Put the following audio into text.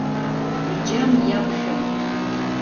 Иџьам иақәшәан.